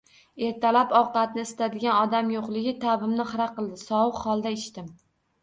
Ertalab ovqatni isitadigan odam yo`qligi ta`bimni xira qildi, sovuq holda ichdim